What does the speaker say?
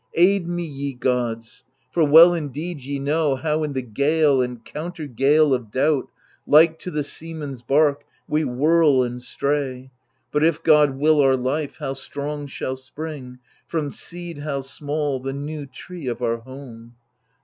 Aid me, ye gods ! for well indeed ye know How in the gale and counter gale of doubt. Like to the seaman's bark, we whirl and stray. But, if God will our life, how strong shall spring, From seed how small, the new tree of our home